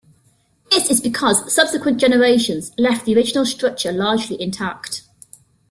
This is because subsequent generations left the original structure largely intact.